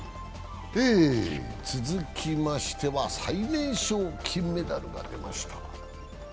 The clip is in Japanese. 続きましては最年少金メダルが出ました。